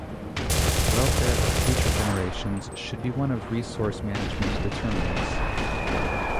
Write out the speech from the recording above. Welfare of future generations should be one of resource management determinants.